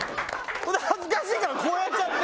それで恥ずかしいからこうやっちゃって。